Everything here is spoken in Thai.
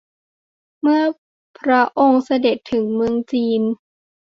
เมื่อพระองค์เสด็จถึงเมืองจีน